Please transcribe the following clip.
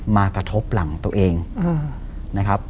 มากระทบหลังตัวเองนะครับ